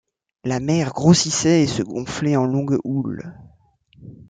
La mer grossissait et se gonflait en longues houles.